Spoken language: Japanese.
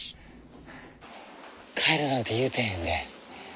帰るなんて言うてへんで。